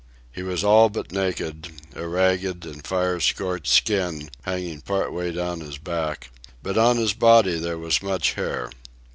He was all but naked, a ragged and fire scorched skin hanging part way down his back, but on his body there was much hair.